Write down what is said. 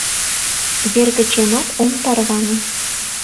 — Вер гычемат ом тарване...